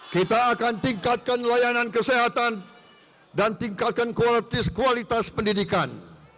kita akan tingkatkan layanan kesehatan dan tingkatkan kualitas pendidikan